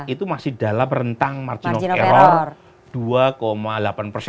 itu masih dalam rentang margin of error